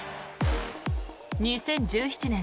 ２０１７年